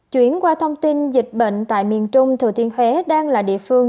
chuyển qua thông tin dịch bệnh tại miền trung thừa thiên huế đang là địa phương